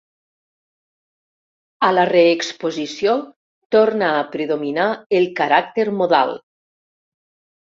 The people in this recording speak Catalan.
A la reexposició torna a predominar el caràcter modal.